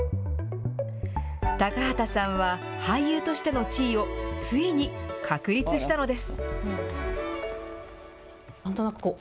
高畑さんは俳優としての地位を、ついに確立したのです。